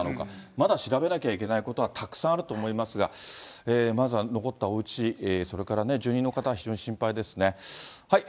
まだ調べなきゃいけないことはたくさんあると思いますが、まずは残ったおうち、それからね、住人の方、非常に心配ですね。